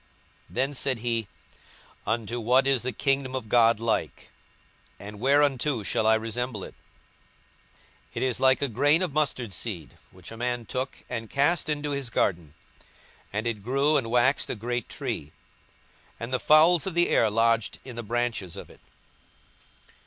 42:013:018 Then said he, Unto what is the kingdom of God like? and whereunto shall I resemble it? 42:013:019 It is like a grain of mustard seed, which a man took, and cast into his garden; and it grew, and waxed a great tree; and the fowls of the air lodged in the branches of it.